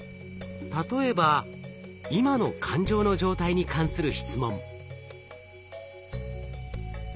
例えば今の感情の状態に関する質問。